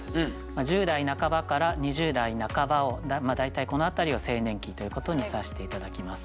十代半ばから二十代半ばをまあ大体この辺りを青年期ということにさせて頂きます。